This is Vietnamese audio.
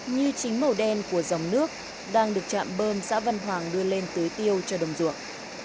như chính màu đen của dòng nước đang được trạm bơm xã văn hoàng đưa lên tới tiêu cho đồng ruộng